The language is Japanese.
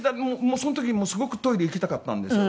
その時にもうすごくトイレ行きたかったんですよ。